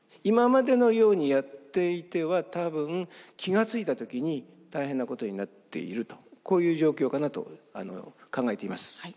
今までのようにやっていては多分気が付いた時に大変なことになっているとこういう状況かなと考えています。